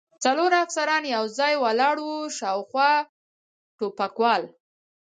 څلور افسران یو ځای ولاړ و، شاوخوا ټوپکوال.